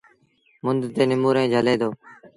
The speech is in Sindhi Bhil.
مند تي نموريٚݩ جھلي دو۔